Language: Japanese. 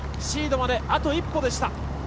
シードまであと一歩でした。